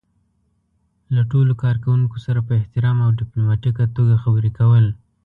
له ټولو کار کوونکو سره په احترام او ډيپلوماتيکه توګه خبرې کول.